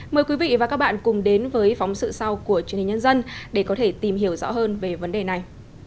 mời quý vị và các bạn cùng đến với phóng sự sau của truyền hình nhân dân để có thể tìm hiểu rõ hơn về vấn đề này